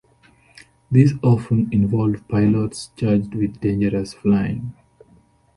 These often involved pilots charged with dangerous flying.